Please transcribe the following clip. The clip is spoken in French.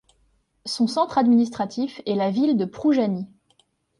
Son centre administratif est la ville de Proujany.